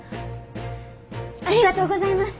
ありがとうございます。